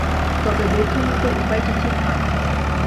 তবে বৌদ্ধমতের উপায়টি ঠিক নয়।